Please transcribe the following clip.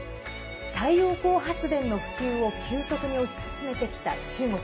太陽光発電の普及を急速に推し進めてきた中国。